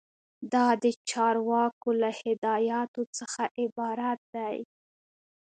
دا د چارواکو له هدایاتو څخه عبارت دی.